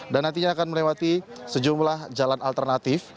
dan nantinya akan melewati sejumlah jalan alternatif